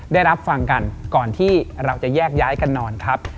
ได้รับฟังกันก่อนที่เราจะแยกย้ายกันนอนครับ